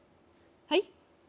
はい？